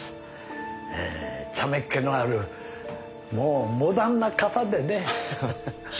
茶目っ気のあるもうモダンな方でね。